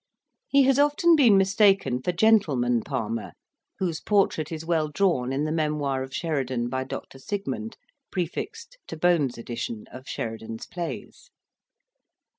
He has often been mistaken for Gentleman Palmer, whose portrait is well drawn in the Memoir of Sheridan by Dr. Sigmond, prefixed to Bohn's edition of Sheridan's plays.